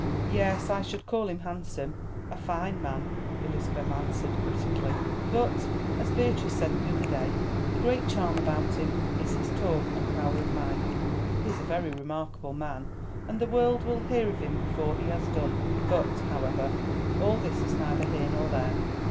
"Yes, I should call him handsome—a fine man," Elizabeth answered critically; "but, as Beatrice said the other day, the great charm about him is his talk and power of mind. He is a very remarkable man, and the world will hear of him before he has done. But, however, all this is neither here nor there.